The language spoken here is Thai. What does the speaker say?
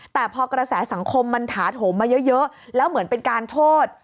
แต่พอกระแสสังคมมันถาโถมมาเยอะแล้วเหมือนเป็นการโทษ